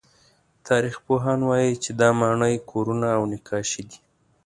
تاریخپوهان وایي چې دا ماڼۍ، کورونه او نقاشۍ دي.